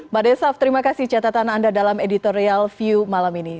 mbak desaf terima kasih catatan anda dalam editorial view malam ini